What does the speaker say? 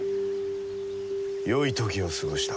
よい時を過ごした。